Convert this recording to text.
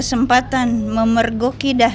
sama karena aku takut